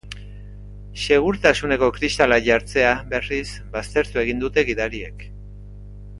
Segurtasuneko kristalak jartzea, berriz, baztertu egin dute gidariek.